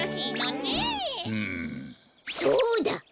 そうだ！